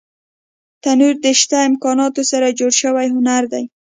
تنور د شته امکاناتو سره جوړ شوی هنر دی